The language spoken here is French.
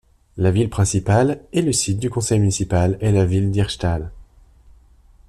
La ville principale et le site du conseil municipal est la ville d'Hirtshals.